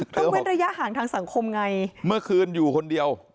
เว้นระยะห่างทางสังคมไงเมื่อคืนอยู่คนเดียว